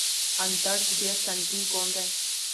اندړ ډير سنګين قوم دی